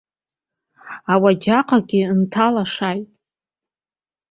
Ауаџьаҟгьы нҭылашааит.